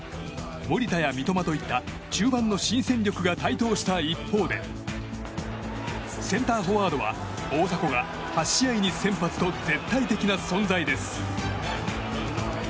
守田や三笘といった中盤の新戦力が台頭した一方でセンターフォワードは大迫が８試合に先発と絶対的な存在です。